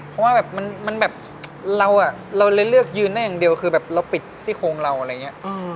เพราะว่าเราเลือกยืนได้อย่างเดียวคือเราปิดซี่โครงเราอะไรอย่างนี้